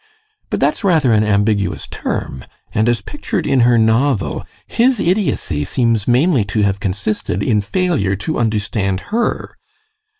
But that's rather an ambiguous term, and, as pictured in her novel, his idiocy seems mainly to have consisted in failure to understand her.